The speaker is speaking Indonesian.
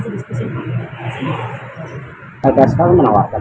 ini semua pihak pihak yang punya pesanan